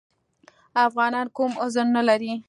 افغانان کوم عذر نه لري.